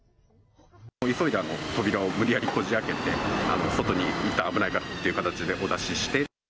急いで扉を無理やりこじあけて、外にいったん、危ないからってお出しして。